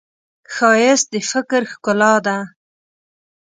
ښایست د فکر ښکلا ده